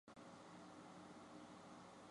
中环及田湾海旁道。